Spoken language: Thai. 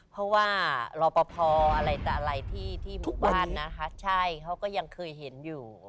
เพราะว่ารอป่าวพออะไรใดที่มุมบ้านนะคะเขาก็ยังเคยเห็นอยู่